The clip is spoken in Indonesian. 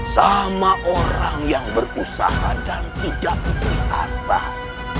sama orang yang berusaha dan tidak berusaha